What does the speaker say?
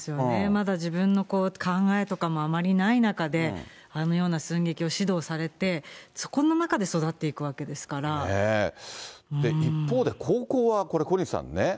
まだ自分の考えとかもあまりない中で、あのような寸劇を指導されて、そこの中で育っていくわけで一方で、高校はこれ、小西さんね。